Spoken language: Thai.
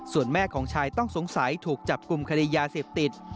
ส่วนแม่ของชายต้องสงสัยถูกจับกลุ่มคดียาเสพติด